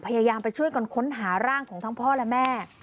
พยายามไปช่วยกันค้นหาร่างของทั้งพ่อและแม่